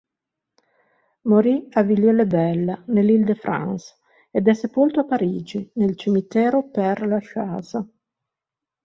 Morì a Villiers-le-Bel nell'Île-de-France ed è sepolto a Parigi, nel cimitero Père Lachaise.